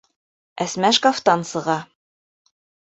Әсмә шкафтан сыға.